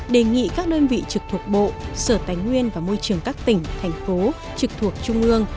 đề nghị các đơn vị trực thuộc bộ sở tài nguyên và môi trường các tỉnh thành phố trực thuộc trung ương